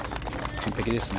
完璧ですね。